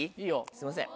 すいません。